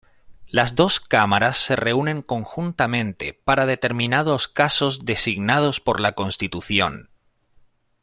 Las dos cámaras se reúnen conjuntamente para determinados casos designados por la Constitución.